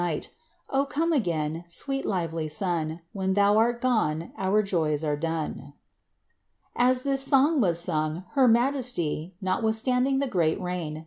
110 O oome again, sweet lively sun, When thou art gone, our joys are done 1" As this song was sung, her majesty, notwithstanding the great rain